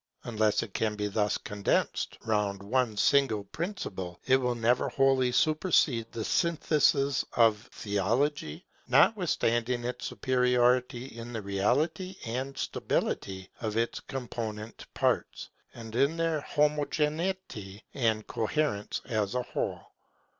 Unless it can be thus condensed, round one single principle, it will never wholly supersede the synthesis of Theology, notwithstanding its superiority in the reality and stability of its component parts, and in their homogeneity and coherence as a whole.